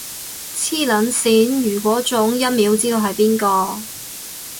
磁能線，如果中，一秒知道係邊個